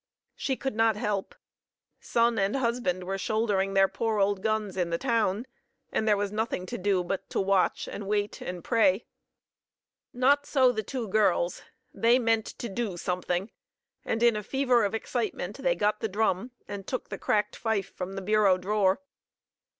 She could not help. Son and husband were shouldering their poor old guns in the town, and there was nothing to do but to watch and wait and pray. Not so the two girls. They meant to do something, and, in a fever of excitement, they got the drum and took the cracked fife from the bureau drawer.